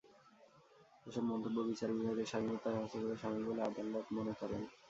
এসব মন্তব্য বিচার বিভাগের স্বাধীনতায় হস্তক্ষেপের শামিল বলে আদালত মনে করেন।